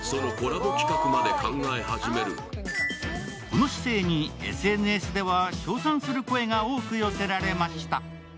この姿勢にＳＮＳでは称賛する声が多く寄せられました。